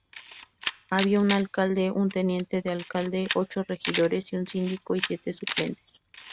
Había un alcalde, un teniente de alcalde, ocho regidores, un síndico y siete suplentes.